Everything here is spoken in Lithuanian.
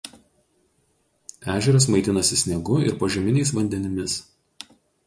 Ežeras maitinasi sniegu ir požeminiais vandenimis.